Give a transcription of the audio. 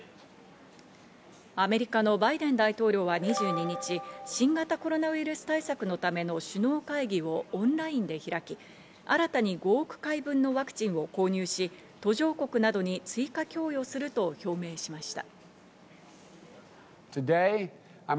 アメリカのバイデン大統領は２２日、新型コロナウイルス対策のための首脳会議をオンラインで開き、新たに５億回分のワクチンを購入し、途上国などに追加供与すると表明しました。